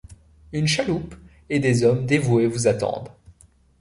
Une chaloupe et des hommes dévoués vous attendent.